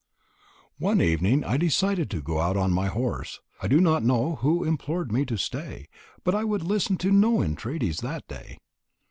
One evening I decided to go out on my horse I do not know who implored me to stay but I would listen to no entreaties that day.